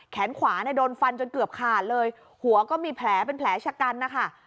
ขวาเนี่ยโดนฟันจนเกือบขาดเลยหัวก็มีแผลเป็นแผลชะกันนะคะ